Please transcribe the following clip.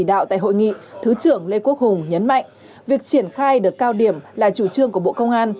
tại hội nghị thứ trưởng lê quốc hùng nhấn mạnh việc triển khai được cao điểm là chủ trương của bộ công an